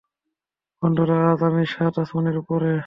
বন্ধুরা, আজ আমি সাত আসমানের উপরে।